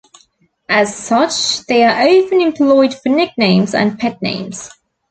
As such, they are often employed for nicknames and pet names.